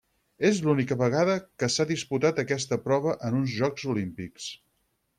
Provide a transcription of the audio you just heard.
És l'única vegada que s'ha disputat aquesta prova en uns Jocs Olímpics.